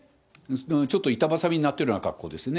ちょっと板挟みになってるような格好ですね。